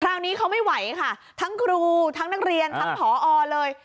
คราวนี้เขาไม่ไหวค่ะทั้งครูทั้งนักเรียนทั้งผอเลย